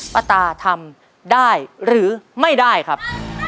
ตาทำได้หรือไม่ได้ครับ